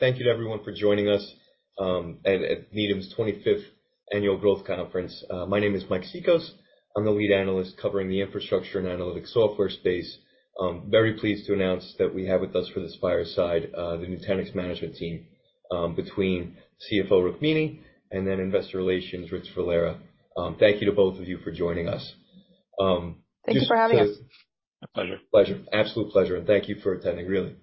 Thank you to everyone for joining us at Needham's 25th Annual Growth Conference. My name is Mike Cikos. I'm the lead analyst covering the infrastructure and analytic software space. I'm very pleased to announce that we have with us for this fireside, the Nutanix management team, between CFO Rukmini and then Investor Relations Rich Valera. Thank you to both of you for joining us. Thanks for having us. Just- My pleasure. Pleasure. Absolute pleasure, and thank you for attending, really.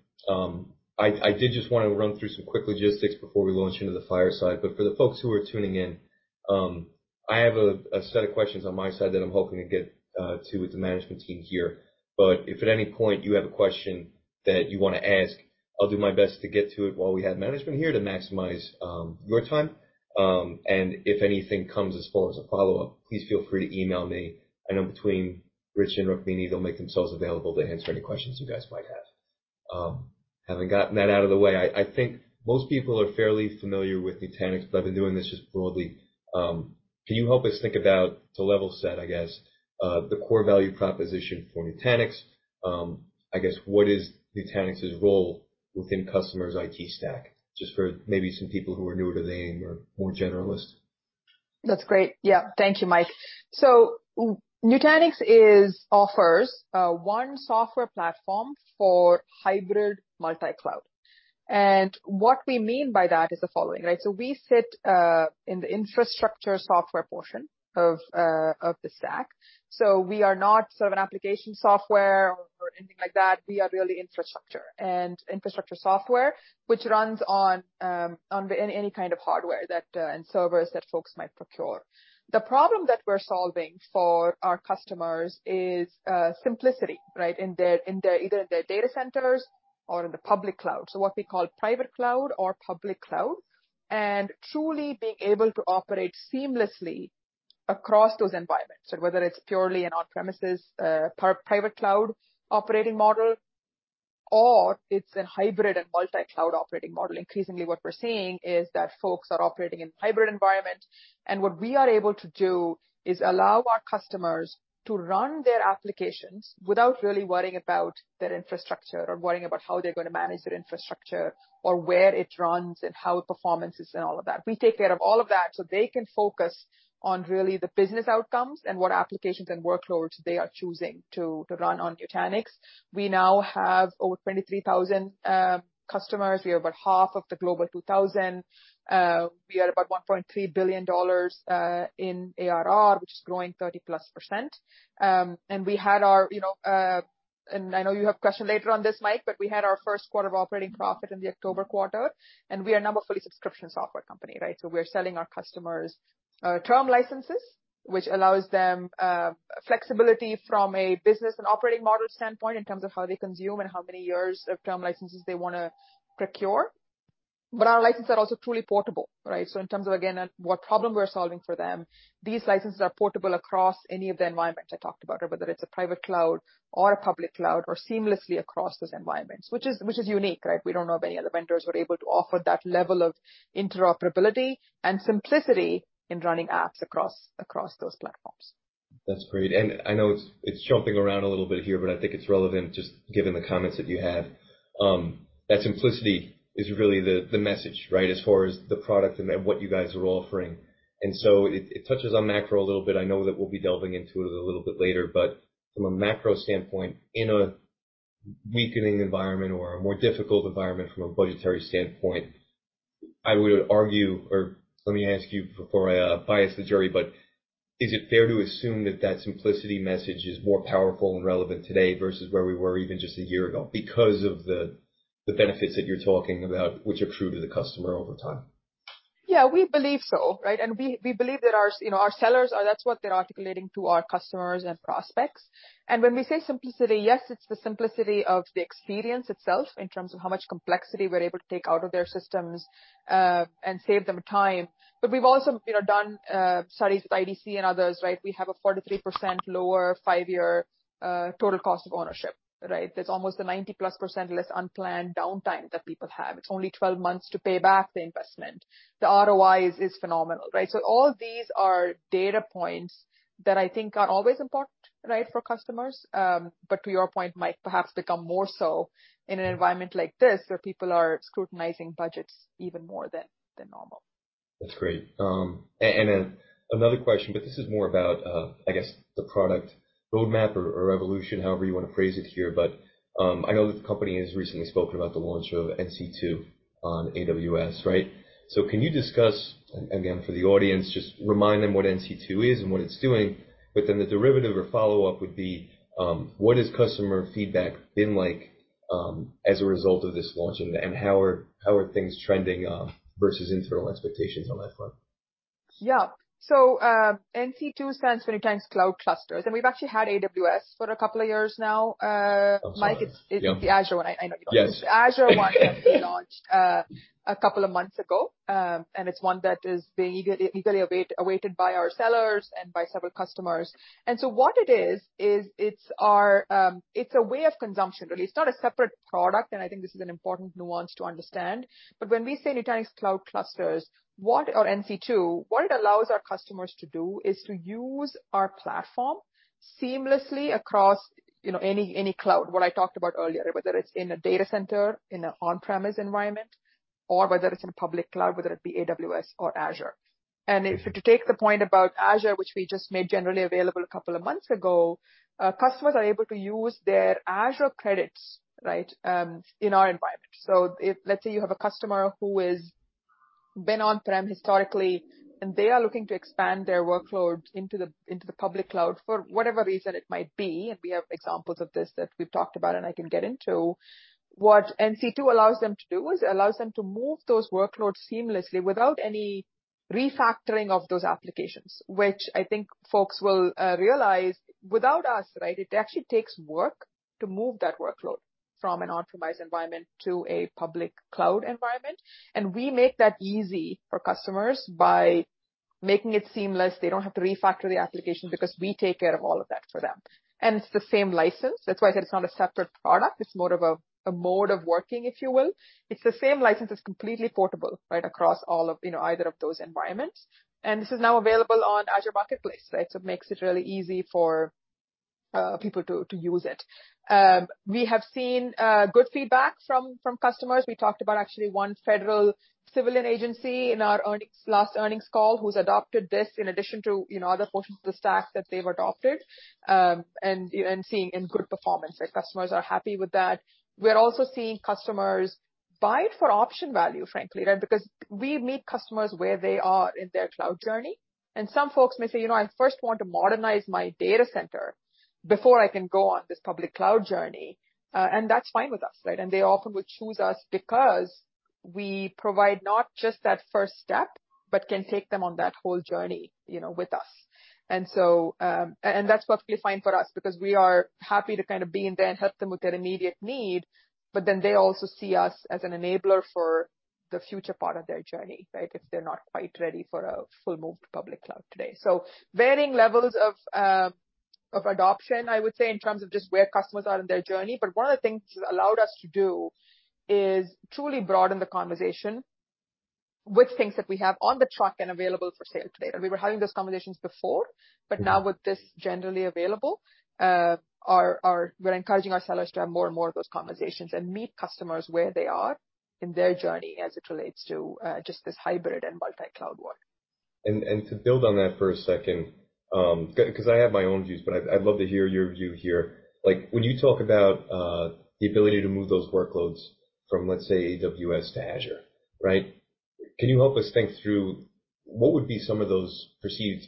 I did just wanna run through some quick logistics before we launch into the fireside. For the folks who are tuning in, I have a set of questions on my side that I'm hoping to get to with the management team here. If at any point you have a question that you wanna ask, I'll do my best to get to it while we have management here to maximize your time. If anything comes as far as a follow-up, please feel free to email me. I know between Rich and Rukmini, they'll make themselves available to answer any questions you guys might have. Having gotten that out of the way, I think most people are fairly familiar with Nutanix, but I've been doing this just broadly. Can you help us think about, to level set I guess, the core value proposition for Nutanix? I guess what is Nutanix's role within customers' IT stack? Just for maybe some people who are newer to the name or more generalists. That's great. Yeah. Thank you, Mike. Nutanix is offers one software platform for hybrid multi-cloud. What we mean by that is the following, right? We sit in the infrastructure software portion of the stack. We are not sort of an application software or anything like that. We are really infrastructure and infrastructure software, which runs on in any kind of hardware that and servers that folks might procure. The problem that we're solving for our customers is simplicity, right? In their, either in their datacenters or in the public cloud. What we call private cloud or public cloud. Truly being able to operate seamlessly across those environments. Whether it's purely an on-premises, private cloud operating model or it's a hybrid multi-cloud operating model. Increasingly what we're seeing is that folks are operating in hybrid environment. What we are able to do is allow our customers to run their applications without really worrying about their infrastructure or worrying about how they're gonna manage their infrastructure or where it runs and how it performances and all of that. We take care of all of that, so they can focus on really the business outcomes and what applications and workloads they are choosing to run on Nutanix. We now have over 23,000 customers. We have about half of the Global 2000. We are about $1.3 billion in ARR, which is growing 30+%. We had our, you know... I know you have a question later on this, Mike Cikos, but we had our 1st quarter of operating profit in the October quarter, and we are now a fully subscription software company, right? We're selling our customers term licenses, which allows them flexibility from a business and operating model standpoint in terms of how they consume and how many years of term licenses they wanna procure. Our licenses are also truly portable, right? In terms of, again, what problem we're solving for them, these licenses are portable across any of the environments I talked about, whether it's a private cloud or a public cloud or seamlessly across those environments, which is unique, right? We don't know of any other vendors who are able to offer that level of interoperability and simplicity in running apps across those platforms. That's great. I know it's jumping around a little bit here, but I think it's relevant just given the comments that you had. That simplicity is really the message, right? As far as the product and then what you guys are offering. It touches on macro a little bit. I know that we'll be delving into it a little bit later, but from a macro standpoint, in a weakening environment or a more difficult environment from a budgetary standpoint, I would argue or let me ask you before I bias the jury, is it fair to assume that that simplicity message is more powerful and relevant today versus where we were even just a year ago because of the benefits that you're talking about, which accrue to the customer over time? Yeah, we believe so, right? And we believe that our, you know, our sellers that's what they're articulating to our customers and prospects. And when we say simplicity, yes, it's the simplicity of the experience itself in terms of how much complexity we're able to take out of their systems and save them time. But we've also, you know, done studies with IDC and others, right? We have a 43% lower five-year Total Cost of Ownership, right? There's almost a 90+% less unplanned downtime that people have. It's only 12 months to pay back the investment. The ROI is phenomenal, right? All these are data points that I think are always important, right, for customers. But to your point, Mike Cikos, perhaps become more so in an environment like this where people are scrutinizing budgets even more than normal. That's great. And then another question, this is more about, I guess, the product roadmap or evolution, however you wanna phrase it here. I know that the company has recently spoken about the launch of NC2 on AWS, right? Can you discuss, again, for the audience, just remind them what NC2 is and what it's doing. The derivative or follow-up would be, what has customer feedback been like, as a result of this launching? How are things trending versus internal expectations on that front? NC2 stands for Nutanix Cloud Clusters. We've actually had AWS for a couple of years now. I'm sorry. Mike, it's the Azure one. I know you know this. Yes. Azure one, we launched two months ago. It's one that is being eagerly awaited by our sellers and by several customers. What it is it's our, it's a way of consumption, really. It's not a separate product, and I think this is an important nuance to understand. When we say Nutanix Cloud Clusters, or NC2, what it allows our customers to do is to use our platform seamlessly across, you know, any cloud. What I talked about earlier, whether it's in a data center, in an on-premise environment, or whether it's in a public cloud, whether it be AWS or Azure. If you take the point about Azure, which we just made generally available two months ago, customers are able to use their Azure credits, right, in our environment. If, let's say you have a customer who Been on-prem historically, they are looking to expand their workload into the public cloud for whatever reason it might be. We have examples of this that we've talked about and I can get into. What NC2 allows them to do is it allows them to move those workloads seamlessly without any refactoring of those applications, which I think folks will realize without us, right, it actually takes work to move that workload from an optimized environment to a public cloud environment. We make that easy for customers by making it seamless. They don't have to refactor the application because we take care of all of that for them. It's the same license. That's why I said it's not a separate product. It's more of a mode of working, if you will. It's the same license. It's completely portable, right, across all of, you know, either of those environments. This is now available on Azure Marketplace, right? It makes it really easy for people to use it. We have seen good feedback from customers. We talked about actually one federal civilian agency in our last earnings call who's adopted this in addition to, you know, other portions of the stack that they've adopted, and seeing in good performance. Their customers are happy with that. We're also seeing customers buy it for option value, frankly, right? Because we meet customers where they are in their cloud journey. Some folks may say, "You know, I first want to modernize my data center before I can go on this public cloud journey." That's fine with us, right? They often would choose us because we provide not just that first step, but can take them on that whole journey, you know, with us. That's perfectly fine for us because we are happy to kinda be in there and help them with their immediate need, but then they also see us as an enabler for the future part of their journey, right, if they're not quite ready for a full move to public cloud today. Varying levels of adoption, I would say, in terms of just where customers are in their journey. One of the things which it allowed us to do is truly broaden the conversation with things that we have on the truck and available for sale today. We were having those conversations before, but now with this generally available, our... We're encouraging our sellers to have more and more of those conversations and meet customers where they are in their journey as it relates to, just this hybrid multi-cloud world. To build on that for a second, cause I have my own views, but I'd love to hear your view here. Like, when you talk about the ability to move those workloads from, let's say, AWS to Azure, right? Can you help us think through what would be some of those perceived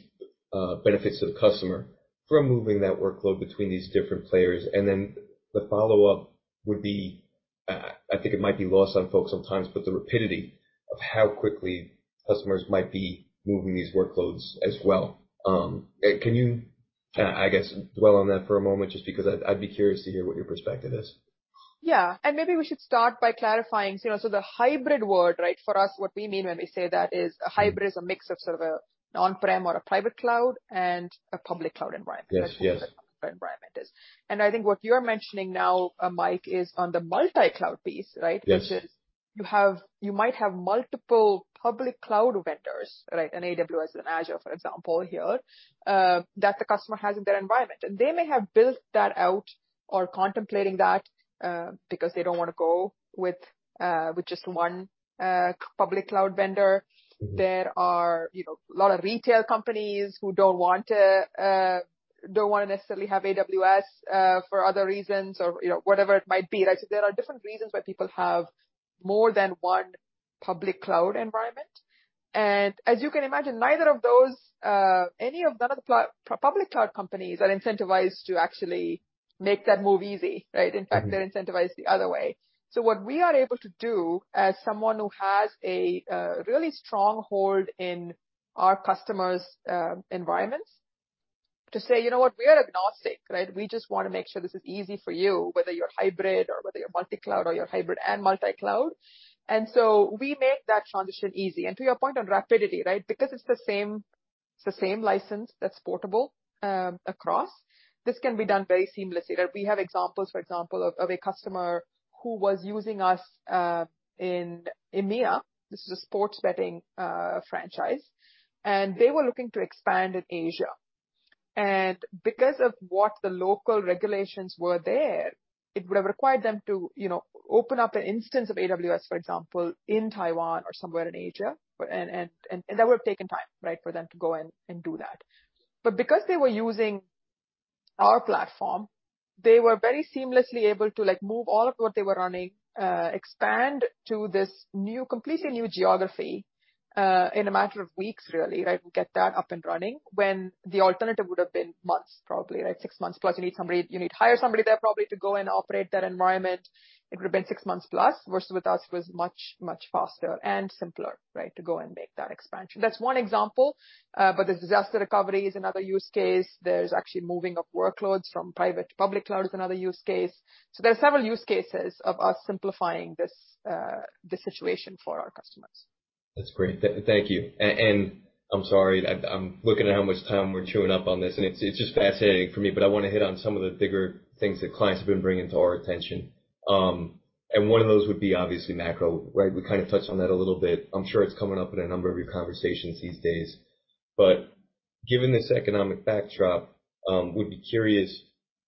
benefits to the customer from moving that workload between these different players? The follow-up would be, I think it might be lost on folks sometimes, but the rapidity of how quickly customers might be moving these workloads as well. Can you, I guess dwell on that for a moment, just because I'd be curious to hear what your perspective is. Yeah. Maybe we should start by clarifying. You know, the hybrid word, right, for us, what we mean when we say that is a hybrid is a mix of sort of a on-prem or a private cloud and a public cloud environment. Yes. That's what a hybrid environment is. I think what you're mentioning now, Mike, is on the multi-cloud piece, right? Yes. Which is you might have multiple public cloud vendors, right, an AWS, an Azure, for example here, that the customer has in their environment. They may have built that out or contemplating that, because they don't wanna go with just one public cloud vendor. There are, you know, a lot of retail companies who don't want to, don't wanna necessarily have AWS for other reasons or, you know, whatever it might be, right? There are different reasons why people have more than one public cloud environment. As you can imagine, neither of those, none of the public cloud companies are incentivized to actually make that move easy, right? Mm-hmm. In fact, they're incentivized the other way. What we are able to do as someone who has a really strong hold in our customer's environments, to say, "You know what? We are agnostic, right? We just wanna make sure this is easy for you, whether you're hybrid or whether you're multi-cloud or you're hybrid and multi-cloud." We make that transition easy. To your point on rapidity, right? Because it's the same license that's portable, across, this can be done very seamlessly, right? We have examples, for example, of a customer who was using us in EMEA. This is a sports betting franchise. They were looking to expand in Asia. Because of what the local regulations were there, it would have required them to, you know, open up an instance of AWS, for example, in Taiwan or somewhere in Asia. That would have taken time, right? For them to go and do that. Because they were using our platform, they were very seamlessly able to, like, move all of what they were running, expand to this new, completely new geography, in a matter of weeks, really, right, get that up and running, when the alternative would have been months probably, right, six months plus. You need to hire somebody there probably to go and operate that environment. It would have been six months plus versus with us was much, much faster and simpler, right, to go and make that expansion. That's one example. There's disaster recovery is another use case. There's actually moving of workloads from private to public cloud is another use case. There are several use cases of us simplifying this situation for our customers. That's great. Thank you. I'm sorry I'm looking at how much time we're chewing up on this, and it's just fascinating for me, but I wanna hit on some of the bigger things that clients have been bringing to our attention. One of those would be obviously macro, right? We kind of touched on that a little bit. I'm sure it's coming up in a number of your conversations these days. Given this economic backdrop, would be curious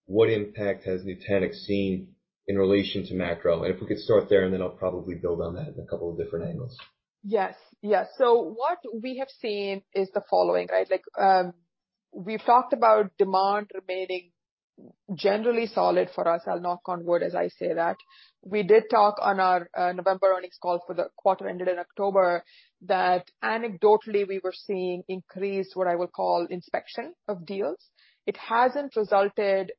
what impact has Nutanix seen in relation to macro? If we could start there, and then I'll probably build on that in a couple of different angles. Yes. What we have seen is the following, right? Like, we've talked about demand remaining generally solid for us. I'll knock on wood as I say that. We did talk on our November earnings call for the quarter ended in October that anecdotally we were seeing increased, what I would call inspection of deals. It hasn't resulted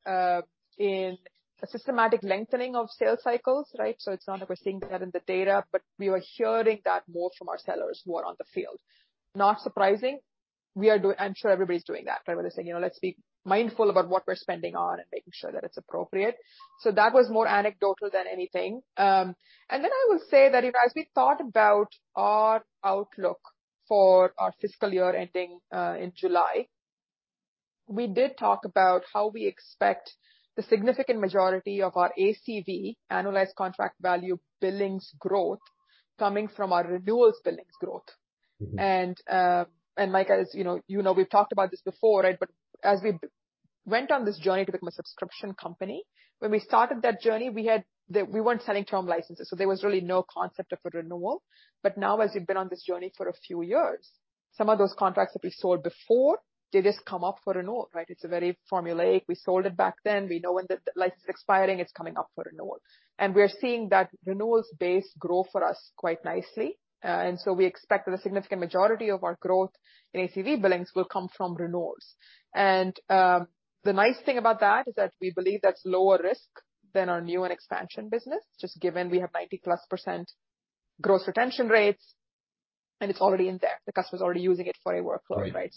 in a systematic lengthening of sales cycles, right? It's not that we're seeing that in the data, but we are hearing that more from our sellers who are on the field. Not surprising. I'm sure everybody's doing that, right? Where they're saying, you know, let's be mindful about what we're spending on and making sure that it's appropriate. That was more anecdotal than anything. I will say that, you know, as we thought about our outlook for our fiscal year ending in July, we did talk about how we expect the significant majority of our ACV, Annualized Contract Value, billings growth coming from our renewals billings growth. Mike, as you know, you know, we've talked about this before, right? As we went on this journey to become a subscription company, when we started that journey, we weren't selling term licenses, so there was really no concept of a renewal. Now, as we've been on this journey for a few years, some of those contracts that we sold before, they just come up for renewal, right? It's very formulaic. We sold it back then. We know when the license is expiring, it's coming up for renewal. We're seeing that renewals base grow for us quite nicely. So we expect that a significant majority of our growth in ACV billings will come from renewals. The nice thing about that is that we believe that's lower risk than our new and expansion business, just given we have 90+% gross retention rates and it's already in there. The customer's already using it for a workflow, right? Right.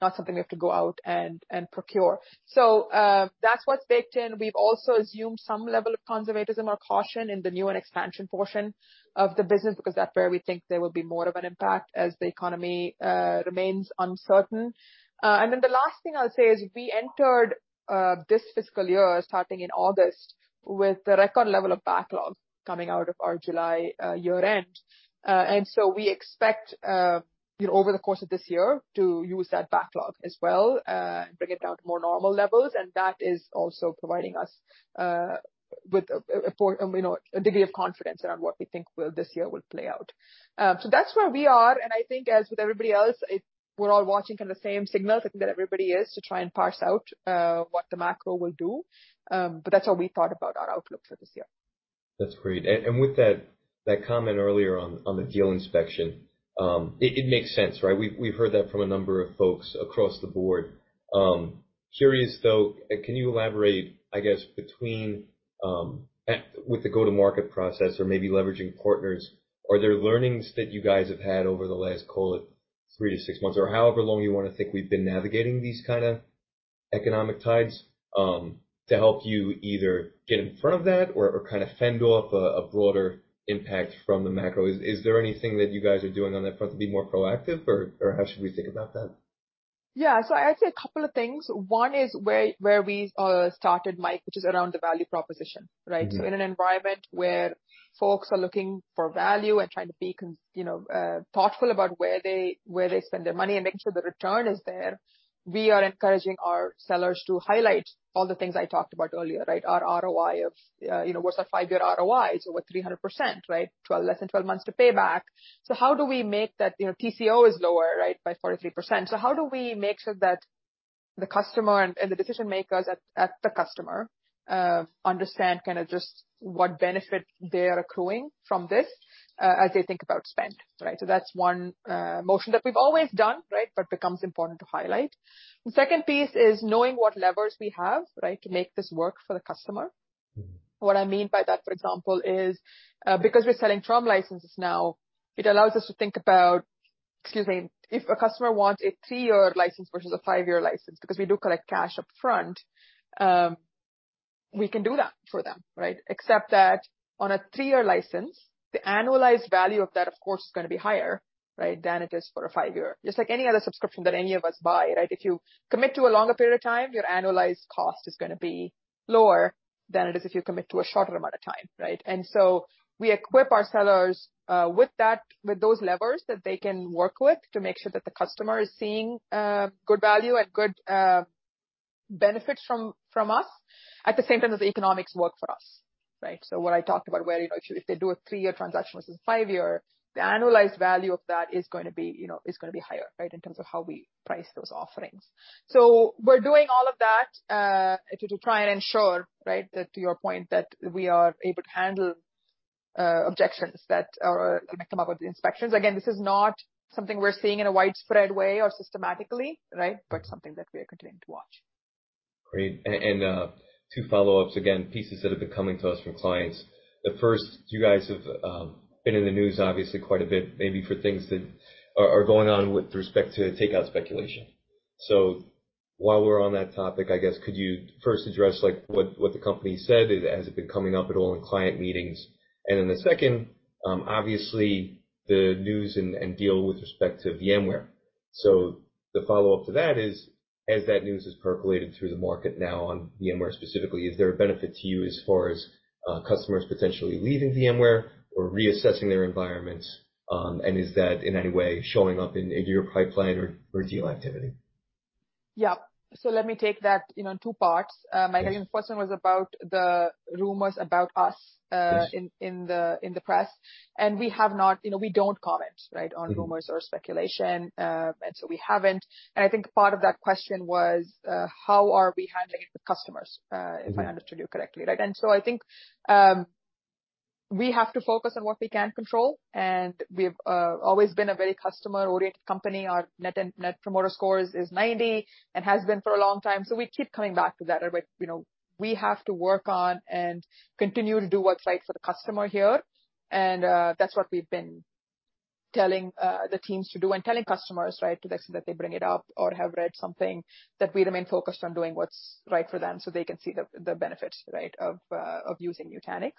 Not something we have to go out and procure. That's what's baked in. We've also assumed some level of conservatism or caution in the new and expansion portion of the business because that's where we think there will be more of an impact as the economy remains uncertain. The last thing I'll say is we entered this fiscal year starting in August with a record level of backlog coming out of our July year-end. We expect, you know, over the course of this year to use that backlog as well and bring it down to more normal levels. That is also providing us with a, you know, a degree of confidence around what we think will, this year will play out. That's where we are, and I think as with everybody else, we're all watching kind of the same signals. I think that everybody is to try and parse out, what the macro will do. That's how we thought about our outlook for this year. That's great. With that comment earlier on the deal inspection, it makes sense, right? We've heard that from a number of folks across the board. Curious though, can you elaborate, I guess, between with the go-to-market process or maybe leveraging partners, are there learnings that you guys have had over the last, call it 3 months-6 months or however long you want to think we've been navigating these kind of economic tides, to help you either get in front of that or kind of fend off a broader impact from the macro? Is there anything that you guys are doing on that front to be more proactive, or how should we think about that? Yeah. I'd say a couple of things. One is where we started, Mike, which is around the value proposition, right? Mm-hmm. In an environment where folks are looking for value and trying to be you know, thoughtful about where they, where they spend their money and making sure the return is there, we are encouraging our sellers to highlight all the things I talked about earlier, right? Our ROI of, you know, what's our five-year ROI? We're 300%, right? Less than 12 months to pay back. How do we make that, you know, TCO is lower, right, by 43%. How do we make sure that the customer and the decision-makers at the customer, understand kinda just what benefit they are accruing from this, as they think about spend, right? That's one motion that we've always done, right, but becomes important to highlight. The second piece is knowing what levers we have, right, to make this work for the customer. What I mean by that, for example, is, because we're selling term licenses now, it allows us to think about. Excuse me. If a customer wants a three year license versus a five year license, because we do collect cash up front, we can do that for them, right? Except that on a three year license, the annualized value of that, of course, is gonna be higher, right, than it is for a five year. Just like any other subscription that any of us buy, right? If you commit to a longer period of time, your annualized cost is gonna be lower than it is if you commit to a shorter amount of time, right? We equip our sellers with that, with those levers that they can work with to make sure that the customer is seeing good value and good benefits from us at the same time as the economics work for us, right? What I talked about where, you know, if they do a threyear transaction versus a five year, the annualized value of that is going to be, you know, is gonna be higher, right, in terms of how we price those offerings. We're doing all of that to try and ensure, right, that to your point, that we are able to handle objections that are may come up with the inspections. Again, this is not something we're seeing in a widespread way or systematically, right, but something that we are continuing to watch. Great. Two follow-ups. Again, pieces that have been coming to us from clients. The first, you guys have been in the news obviously quite a bit, maybe for things that are going on with respect to takeout speculation. While we're on that topic, I guess could you first address like what the company said? Has it been coming up at all in client meetings? The second, obviously the news and deal with respect to VMware. The follow-up to that is, as that news has percolated through the market now on VMware specifically, is there a benefit to you as far as customers potentially leaving VMware or reassessing their environments? Is that in any way showing up in your pipeline or deal activity? Yeah. Let me take that, you know, in two parts. Mike, I think the first one was about the rumors about us. Yes. in the press. We have not, you know, we don't comment, right, on rumors or speculation. We haven't. I think part of that question was, how are we handling it with customers, if I understood you correctly, right? I think, we have to focus on what we can control, and we've always been a very customer-oriented company. Our Net Promoter Scores is 90 and has been for a long time, so we keep coming back to that. You know, we have to work on and continue to do what's right for the customer here. That's what we've been telling, the teams to do and telling customers, right, to the extent that they bring it up or have read something, that we remain focused on doing what's right for them, so they can see the benefit, right, of using Nutanix.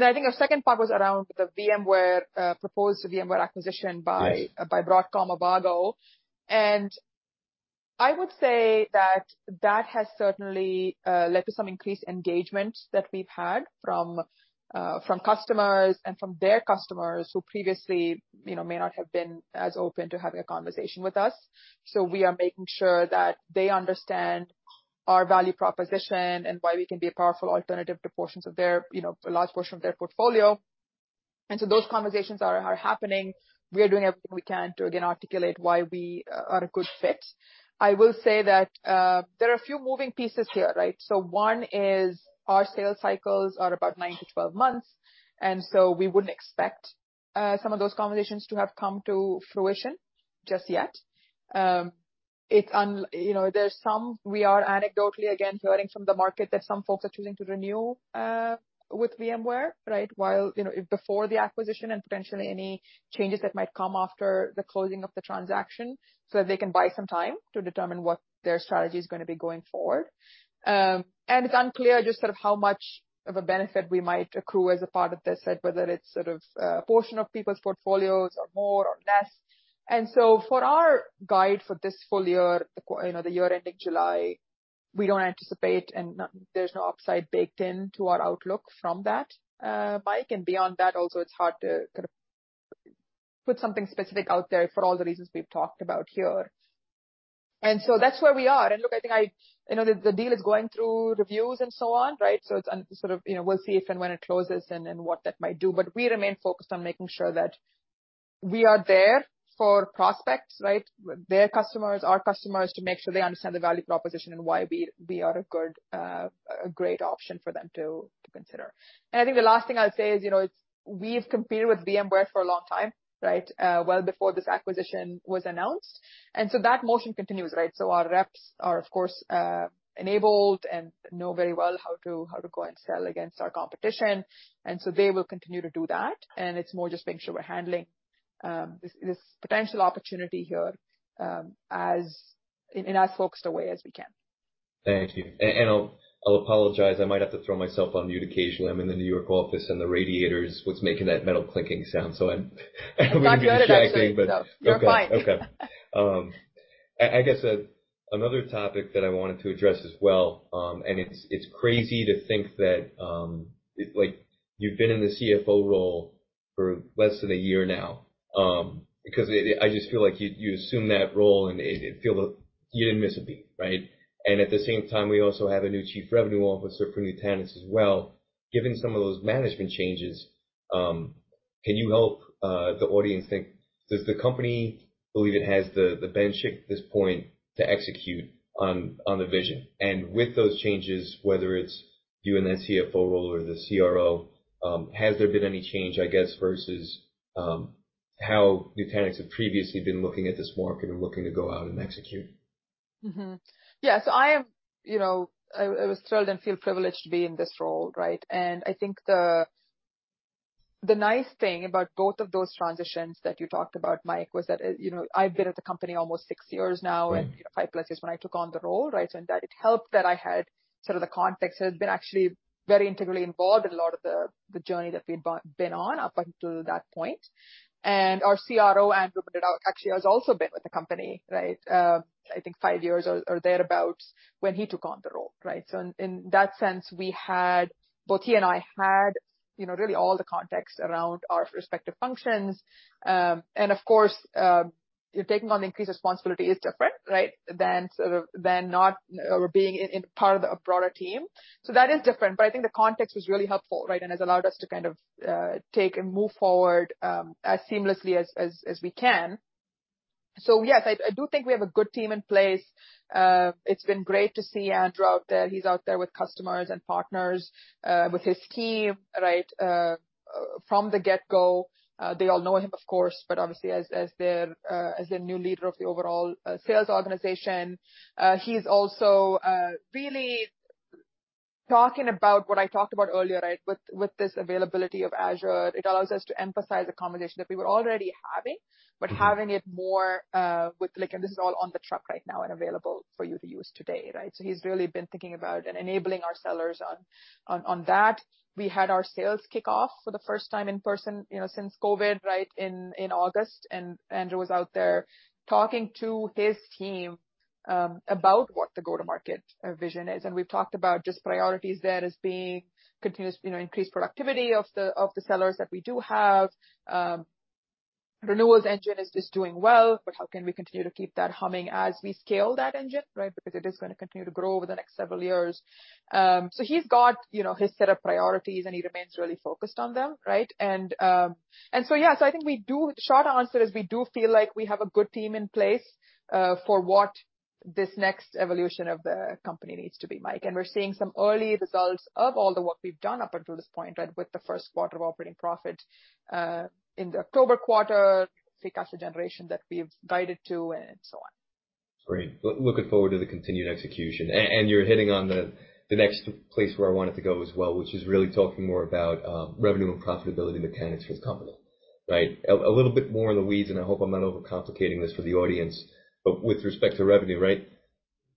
I think the second part was around the VMware, proposed VMware acquisition by- Yes.... by Broadcom, Avago. I would say that that has certainly led to some increased engagement that we've had from customers and from their customers who previously, you know, may not have been as open to having a conversation with us. We are making sure that they understand our value proposition and why we can be a powerful alternative to portions of their, you know, a large portion of their portfolio. Those conversations are happening. We are doing everything we can to, again, articulate why we are a good fit. I will say that there are a few moving pieces here, right? One is our sales cycles are about 9 months-12 months, we wouldn't expect some of those conversations to have come to fruition just yet. You know, there's some... We are anecdotally, again, hearing from the market that some folks are choosing to renew with VMware, right? While, you know, before the acquisition and potentially any changes that might come after the closing of the transaction, so that they can buy some time to determine what their strategy is gonna be going forward. It's unclear just sort of how much of a benefit we might accrue as a part of this, right? Whether it's sort of a portion of people's portfolios or more or less. For our guide for this full year, you know, the year ending July, we don't anticipate and there's no upside baked into our outlook from that, Mike. Beyond that, also, it's hard to kind of put something specific out there for all the reasons we've talked about here. That's where we are. Look, I think, you know, the deal is going through reviews and so on, right? It's sort of, you know, we'll see if and when it closes and what that might do. We remain focused on making sure that we are there for prospects, right? Their customers, our customers, to make sure they understand the value proposition and why we are a good, a great option for them to consider. I think the last thing I'll say is, you know, we've competed with VMware for a long time, right? Well before this acquisition was announced. That motion continues, right? Our reps are, of course, enabled and know very well how to go and sell against our competition. They will continue to do that. It's more just making sure we're handling, this potential opportunity here, in as focused a way as we can. Thank you. I'll apologize, I might have to throw myself on mute occasionally. I'm in the New York office, and the radiator is what's making that metal clinking sound. I'm going to be shackling. I'm not good at answering, so you're fine. Okay, okay. I guess another topic that I wanted to address as well, it's crazy to think that like you've been in the CFO role for less than a year now. I just feel like you assumed that role and you didn't miss a beat, right? At the same time, we also have a new Chief Revenue Officer for Nutanix as well. Given some of those management changes, can you help the audience think, does the company believe it has the bench at this point to execute on the vision? With those changes, whether it's you in the CFO role or the CRO, has there been any change, I guess, versus how Nutanix have previously been looking at this market and looking to go out and execute? You know, I was thrilled and feel privileged to be in this role, right? I think the nice thing about both of those transitions that you talked about, Mike, was that, you know, I've been at the company almost six years now. Mm-hmm... and 5+ years when I took on the role, right? In that, it helped that I had sort of the context. I've been actually very integrally involved in a lot of the journey that we'd been on up until that point. Our CRO, Andrew Brinded, actually has also been with the company, right, I think five years or thereabout when he took on the role, right? In that sense, we had both he and I had, you know, really all the context around our respective functions. Of course, taking on increased responsibility is different, right? Than sort of, than not or being in part of the broader team. That is different, but I think the context was really helpful, right, and has allowed us to kind of take and move forward as seamlessly as we can. Yes, I do think we have a good team in place. It's been great to see Andrew out there. He's out there with customers and partners with his team, right? From the get-go, they all know him, of course, but obviously as their new leader of the overall sales organization. He's also really talking about what I talked about earlier, right? With this availability of Azure, it allows us to emphasize the combination that we were already having, but having it more with like. This is all on the truck right now and available for you to use today, right? He's really been thinking about and enabling our sellers on that. We had our sales kickoff for the first time in person, you know, since COVID, in August. Andrew was out there talking to his team about what the go-to-market vision is. We've talked about just priorities there as being continuous, you know, increased productivity of the sellers that we do have. Renewals engine is doing well, but how can we continue to keep that humming as we scale that engine? Because it is gonna continue to grow over the next several years. He's got, you know, his set of priorities, and he remains really focused on them. Yeah. I think we do... short answer is we do feel like we have a good team in place for what this next evolution of the company needs to be, Mike. We're seeing some early results of all the work we've done up until this point, right, with the first quarter of operating profit in the October quarter, free cash flow generation that we've guided to and so on. Great. Looking forward to the continued execution. You're hitting on the next place where I wanted to go as well, which is really talking more about revenue and profitability mechanics for the company, right? A little bit more in the weeds, and I hope I'm not overcomplicating this for the audience. With respect to revenue, right,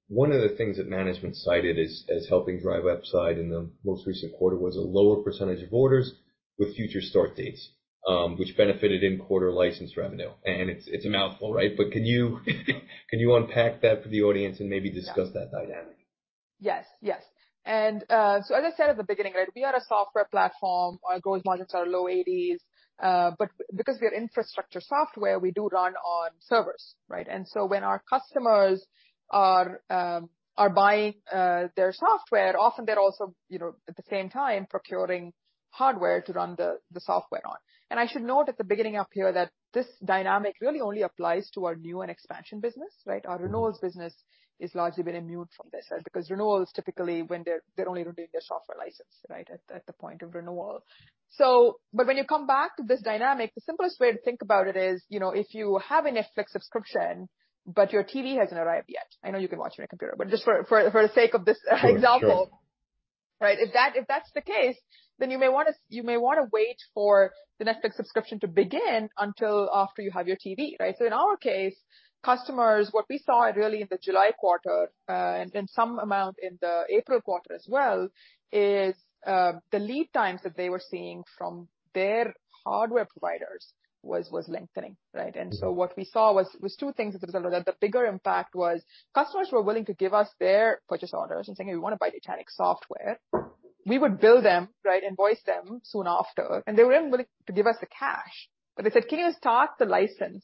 one of the things that management cited as helping drive upside in the most recent quarter was a lower percentage of orders with future start dates, which benefited in quarter license revenue. It's a mouthful, right? Can you unpack that for the audience and maybe discuss that dynamic? Yes. Yes. As I said at the beginning, we are a software platform. Our gross margins are low 80s. Because we are infrastructure software, we do run on servers. When our customers are buying their software, often they're also, you know, at the same time procuring hardware to run the software on. I should note at the beginning up here that this dynamic really only applies to our new and expansion business. Our renewals business is largely been immune from this. Because renewals typically they're only renewing their software license at the point of renewal. When you come back to this dynamic, the simplest way to think about it is, you know, if you have a Netflix subscription, but your TV hasn't arrived yet, I know you can watch on your computer, but just for the sake of this example. Sure. Sure. Right? If that's the case, then you may wanna wait for the Netflix subscription to begin until after you have your TV, right? In our case, customers, what we saw really in the July quarter, and some amount in the April quarter as well, is, the lead times that they were seeing from their hardware providers was lengthening, right? Mm-hmm. What we saw was two things. The bigger impact was customers were willing to give us their purchase orders and saying, "We wanna buy Nutanix software." We would bill them, right, invoice them soon after, and they were even willing to give us the cash. They said, "Can you start the license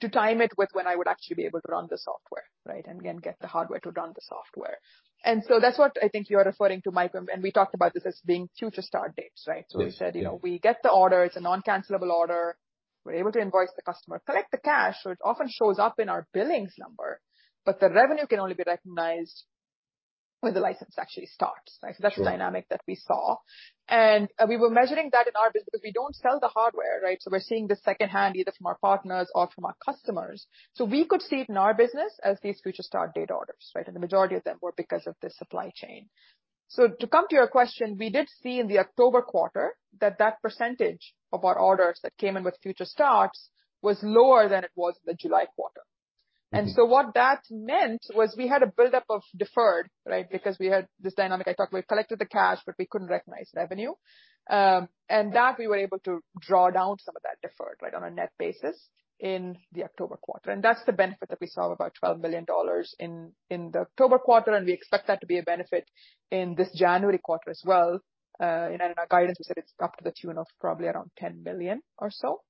to time it with when I would actually be able to run the software?" Right? Again, get the hardware to run the software. That's what I think you're referring to, Mike, and we talked about this as being future start dates, right? Sure. Sure. We said, you know, we get the order, it's a non-cancelable order. We're able to invoice the customer, collect the cash, so it often shows up in our billings number, but the revenue can only be recognized when the license actually starts. Right? Sure. That's the dynamic that we saw. We were measuring that in our business because we don't sell the hardware, right? We're seeing this secondhand either from our partners or from our customers. We could see it in our business as these future start date orders, right? The majority of them were because of the supply chain. To come to your question, we did see in the October quarter that percentage of our orders that came in with future starts was lower than it was the July quarter. Mm-hmm. What that meant was we had a buildup of deferred, right? Because we had this dynamic I talked about. We collected the cash, but we couldn't recognize revenue. We were able to draw down some of that deferred, right, on a net basis in the October quarter. That's the benefit that we saw of about $12 billion in the October quarter, and we expect that to be a benefit in this January quarter as well. In our guidance, we said it's up to the tune of probably around $10 billion or so.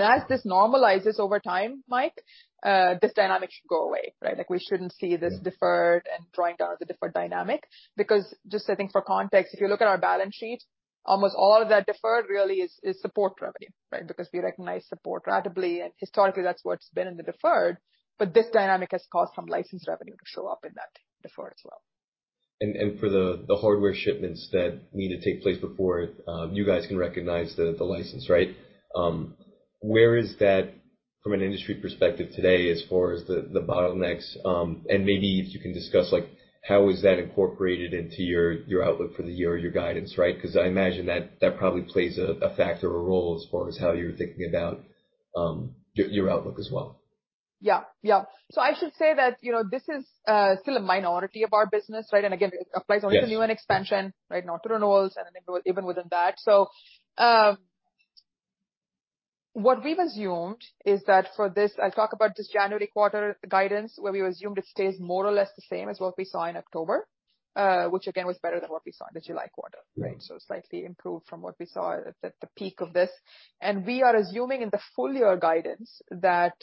As this normalizes over time, Mike, this dynamic should go away, right? Like, we shouldn't see this deferred and drawing down of the deferred dynamic. Just I think for context, if you look at our balance sheet, almost all of that deferred really is support revenue, right? We recognize support ratably, and historically that's what's been in the deferred. This dynamic has caused some license revenue to show up in that deferred as well. For the hardware shipments that need to take place before you guys can recognize the license, right? Where is that from an industry perspective today as far as the bottlenecks? Maybe if you can discuss, like, how is that incorporated into your outlook for the year or your guidance, right? Because I imagine that probably plays a factor or role as far as how you're thinking about your outlook as well. Yeah. Yeah. I should say that, you know, this is still a minority of our business, right? again, it applies. Yes. -to new and expansion, right? Not to renewals and even within that. What we've assumed is that I'll talk about this January quarter guidance where we assumed it stays more or less the same as what we saw in October, which again, was better than what we saw in the July quarter, right? Mm-hmm. Slightly improved from what we saw at the peak of this. We are assuming in the full year guidance that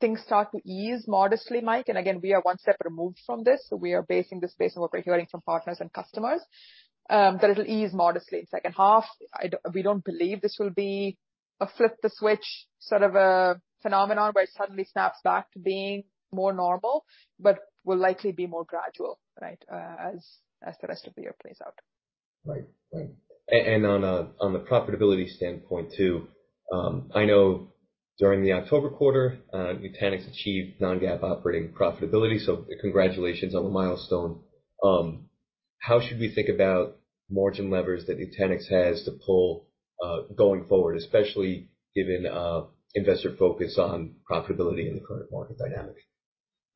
things start to ease modestly, Mike. Again, we are one step removed from this, so we are basing this based on what we're hearing from partners and customers. It'll ease modestly in second half. We don't believe this will be a flip the switch sort of a phenomenon where it suddenly snaps back to being more normal, but will likely be more gradual, right, as the rest of the year plays out. Right. Right. On a profitability standpoint too, I know during the October quarter, Nutanix achieved Non-GAAP operating profitability, so congratulations on the milestone. How should we think about margin levers that Nutanix has to pull, going forward, especially given investor focus on profitability in the current market dynamic?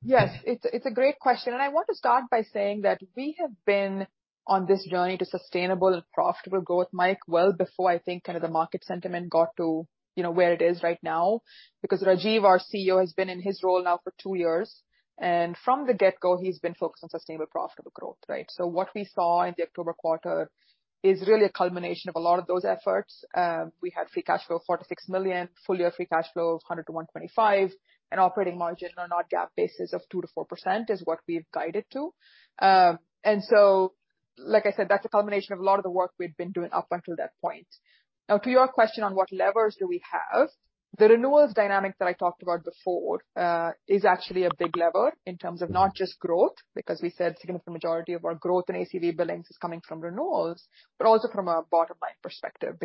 Yes, it's a great question. I want to start by saying that we have been on this journey to sustainable and profitable growth, Mike Cikos, well before I think kind of the market sentiment got to, you know, where it is right now. Rajiv, our CEO, has been in his role now for two years, and from the get-go, he's been focused on sustainable, profitable growth, right? What we saw in the October quarter is really a culmination of a lot of those efforts. We had free cash flow, $46 million, full year free cash flow, $100 million-$125 million, and operating margin on our GAAP basis of 2%-4% is what we've guided to. Like I said, that's a culmination of a lot of the work we've been doing up until that point. To your question on what levers do we have, the renewals dynamic that I talked about before, is actually a big lever in terms of not just growth, because we said significant majority of our growth in ACV billings is coming from renewals, but also from a bottom-line perspective.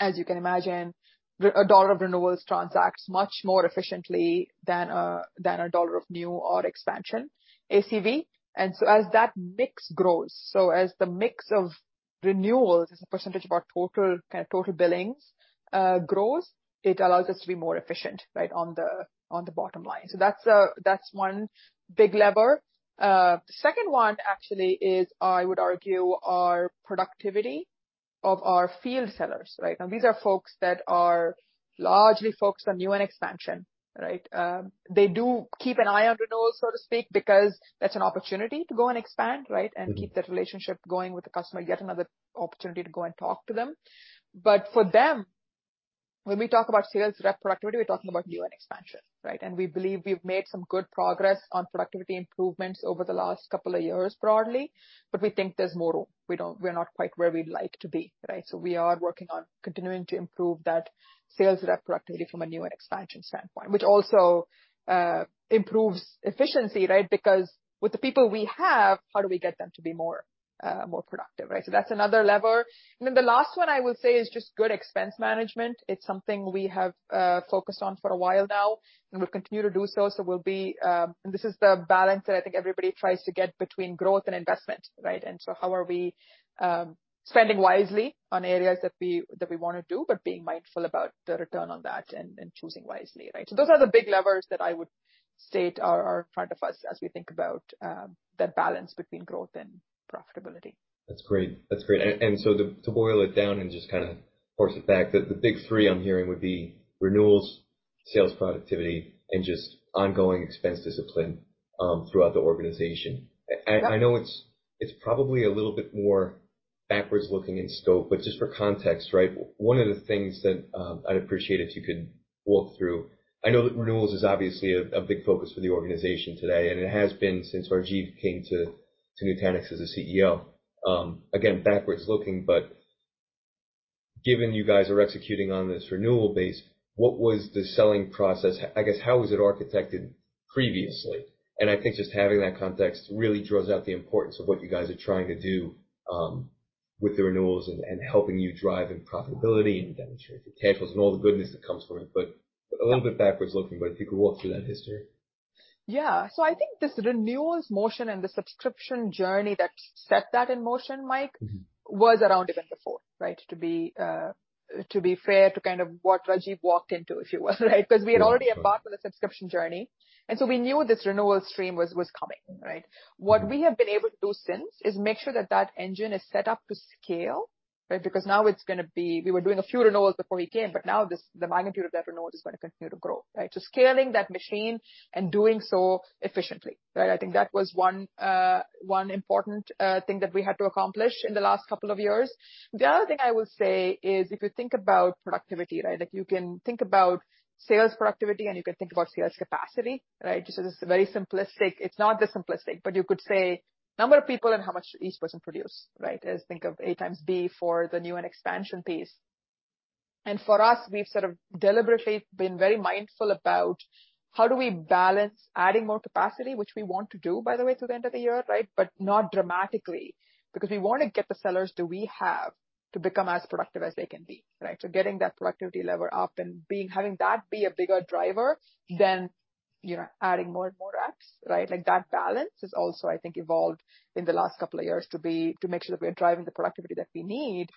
As you can imagine, a dollar of renewals transacts much more efficiently than a dollar of new or expansion ACV. As that mix grows, so as the mix of renewals as a % of our total billings grows, it allows us to be more efficient, right, on the bottom line. That's one big lever. The second one actually is, I would argue, our productivity of our field sellers, right? These are folks that are largely focused on new and expansion, right? They do keep an eye on renewals, so to speak, because that's an opportunity to go and expand, right, and keep that relationship going with the customer, yet another opportunity to go and talk to them. For them, when we talk about sales rep productivity, we're talking about new and expansion, right? We believe we've made some good progress on productivity improvements over the last couple of years broadly, but we think there's more room. We're not quite where we'd like to be, right? We are working on continuing to improve that sales rep productivity from a new and expansion standpoint, which also improves efficiency, right? Because with the people we have, how do we get them to be more productive, right? That's another lever. The last one I will say is just good expense management. It's something we have focused on for a while now, and we'll continue to do so. We'll be... This is the balance that I think everybody tries to get between growth and investment, right? How are we spending wisely on areas that we wanna do, but being mindful about the return on that and choosing wisely, right? Those are the big levers that I would state are in front of us as we think about that balance between growth and profitability. That's great. That's great. To boil it down and just kinda force it back, the big three I'm hearing would be renewals, sales productivity, and just ongoing expense discipline, throughout the organization. Yeah. I know it's probably a little bit more backwards-looking in scope, but just for context, right, one of the things that I'd appreciate if you could walk through. I know that renewals is obviously a big focus for the organization today, and it has been since Rajiv came to Nutanix as the CEO. Again, backwards looking, but given you guys are executing on this renewal base, what was the selling process? I guess, how was it architected previously? I think just having that context really draws out the importance of what you guys are trying to do with the renewals and helping you drive in profitability and demonstrate the tackles and all the goodness that comes from it. A little bit backwards looking, but if you could walk through that history. Yeah. I think this renewals motion and the subscription journey that set that in motion, Mike- Mm-hmm. Was around event before, right? To be, to be fair to kind of what Rajiv walked into, if you will, right? Yeah. Yeah. We had already embarked on the subscription journey, and so we knew this renewal stream was coming, right? Mm-hmm. What we have been able to do since is make sure that that engine is set up to scale, right? Now we were doing a few renewals before we came, the magnitude of that renewal is gonna continue to grow, right? Scaling that machine and doing so efficiently, right? I think that was one important thing that we had to accomplish in the last couple of years. The other thing I will say is, if you think about productivity, right? Like you can think about sales productivity, and you can think about sales capacity, right? It's not this simplistic, you could say number of people and how much each person produce, right? Is think of A times B for the new and expansion piece. For us, we've sort of deliberately been very mindful about how do we balance adding more capacity, which we want to do by the way, through the end of the year, right? Not dramatically, because we wanna get the sellers that we have to become as productive as they can be, right? Getting that productivity lever up and having that be a bigger driver than, you know, adding more and more reps, right? Like that balance has also, I think, evolved in the last couple of years to make sure that we are driving the productivity that we need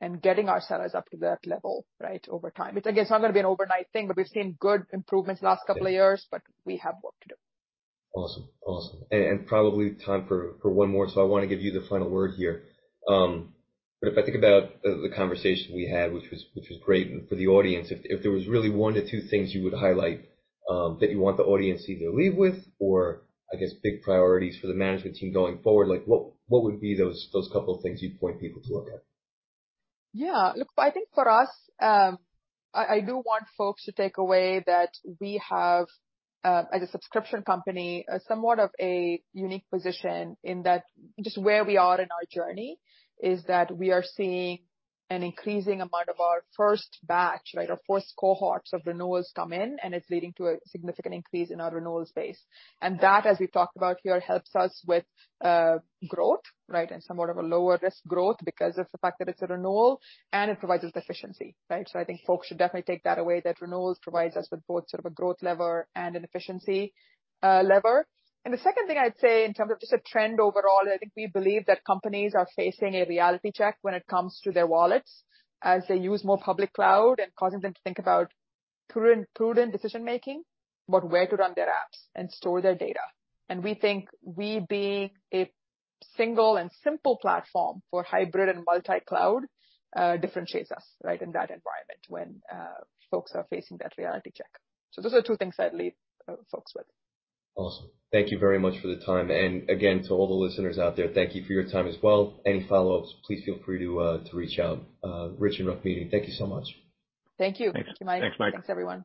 and getting our sellers up to that level, right, over time. It's again, it's not gonna be an overnight thing, but we've seen good improvements the last couple of years, but we have work to do. Awesome. Awesome. Probably time for one more, I wanna give you the final word here. If I think about the conversation we had, which was great for the audience, if there was really 1 to 2 things you would highlight, that you want the audience either leave with or I guess big priorities for the management team going forward, like what would be those couple things you'd point people to look at? Look, I think for us, I do want folks to take away that we have as a subscription company, somewhat of a unique position in that just where we are in our journey is that we are seeing an increasing amount of our first batch, right? Our first cohorts of renewals come in, and it's leading to a significant increase in our renewal space. That, as we've talked about here, helps us with growth, right? And somewhat of a lower risk growth because of the fact that it's a renewal and it provides us efficiency, right? I think folks should definitely take that away, that renewals provides us with both sort of a growth lever and an efficiency lever. The second thing I'd say in terms of just a trend overall, I think we believe that companies are facing a reality check when it comes to their wallets as they use more public cloud and causing them to think about prudent decision-making about where to run their apps and store their data. We think we being a single and simple platform for hybrid and multi-cloud differentiates us, right, in that environment when folks are facing that reality check. Those are two things I'd leave folks with. Awesome. Thank you very much for the time. Again, to all the listeners out there, thank you for your time as well. Any follow-ups, please feel free to reach out. Rich and Rukmini. Thank you so much. Thank you. Thanks. Mike. Thanks, Mike. Thanks, everyone.